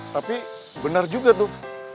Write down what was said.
tapi bener juga tuh